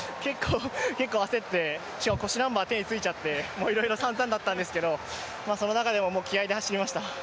結構焦って、しかも腰ナンバーが手についちゃっていろいろさんざんだったんですけど、その中でも気合いで走りました。